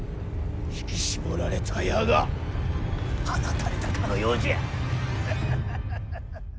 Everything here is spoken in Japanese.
引き絞られた矢が放たれたかのようじゃ。